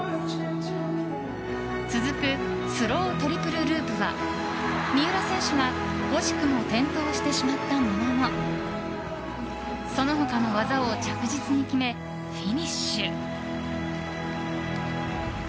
続くスロートリプルループは三浦選手が惜しくも転倒してしまったもののその他の技を着実に決めフィニッシュ。